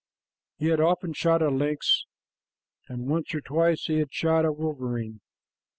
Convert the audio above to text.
He had often shot a lynx, and once or twice he had shot a wolverine.